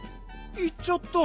いっちゃった。